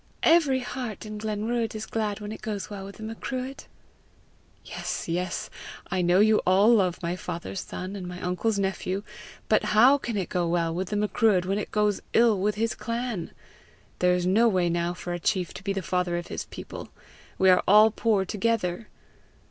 "Every heart in Glenruadh is glad when it goes well with the Macruadh." "Yes, yes; I know you all love my father's son and my uncle's nephew; but how can it go well with the Macruadh when it goes ill with his clan? There is no way now for a chief to be the father of his people; we are all poor together!